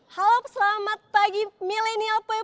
halo selamat pagi milenial pop